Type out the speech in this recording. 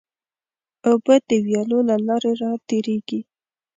اوبه د ویالو له لارې راتېرېږي.